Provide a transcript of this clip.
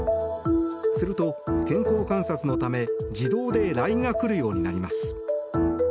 すると、健康観察のため自動でＬＩＮＥが来るようになります。